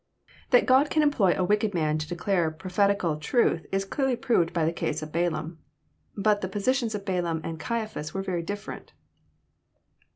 That God can employ a wicked man to declare prophetical truth is clearly proved by the case of Balaam. But the po sitions of Balaam and Caiaphas were very different.